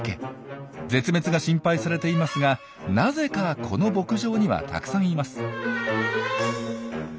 絶滅が心配されていますがなぜかこの牧場にはたくさんいます。